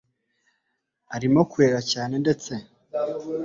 arimo kurira cyane ndetse